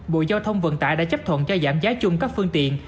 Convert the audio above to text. bộ giao thông vận tải đã chấp thuận cho giảm giá chung các phương tiện